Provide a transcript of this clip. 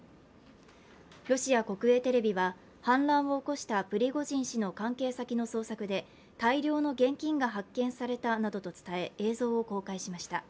ロシア国営テレビは反乱を起こしたプリゴジン氏の関係先の捜索で、大量の現金が発見されたなどと伝え映像を公開しました。